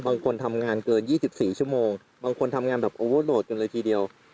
บางคนทำงานเกินยี่สิบสี่ชั่วโมงบางคนทำงานแบบกันเลยทีเดียว